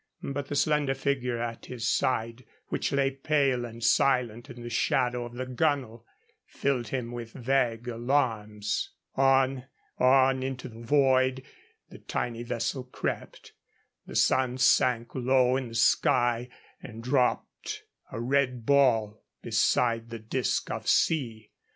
But the slender figure at his side, which lay pale and silent in the shadow of the gunwale, filled him with vague alarms. On, on into the void, the tiny vessel crept. The sun sank low in the sky and dropped, a red ball, behind the disk of sea.